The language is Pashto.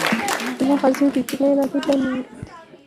الله حاضر دى چې نه يې راته ځاى معلوم دى.